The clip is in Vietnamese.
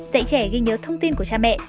dạy trẻ ghi nhớ thông tin của cha mẹ